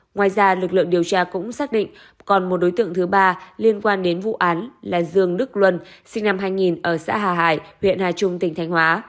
ngoài ra lực lượng điều tra cũng xác định còn một đối tượng thứ ba liên quan đến vụ án là dương đức luân sinh năm hai nghìn ở xã hà hải huyện hà trung tỉnh thanh hóa